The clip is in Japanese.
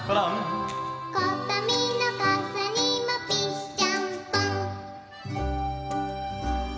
「ことみのかさにもピッシャンポン」